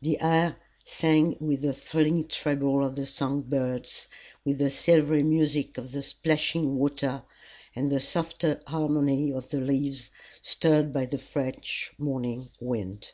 The air sang with the thrilling treble of the song birds, with the silvery music of the plashing water and the softer harmony of the leaves stirred by the fresh morning wind.